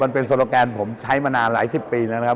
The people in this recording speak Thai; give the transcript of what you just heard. โซโลแกนผมใช้มานานหลายสิบปีแล้วนะครับ